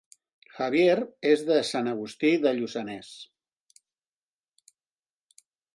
Javier és de Sant Agustí de Lluçanès